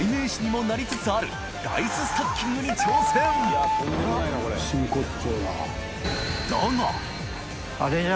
譴砲なりつつあるダイス・スタッキングに挑戦華丸）